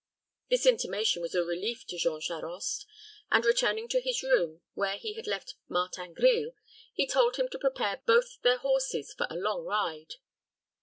This intimation was a relief to Jean Charost; and, returning to his room, where he had left Martin Grille, he told him to prepare both their horses for along ride.